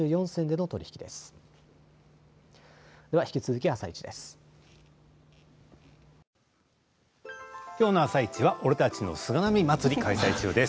きょうの「あさイチ」は「俺たちの菅波」祭り開催中です。